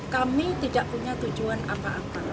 kami tidak punya tujuan apa apa